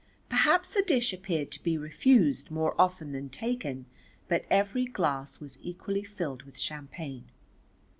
Perhaps a dish appeared to be refused more often than taken but every glass was equally filled with champagne.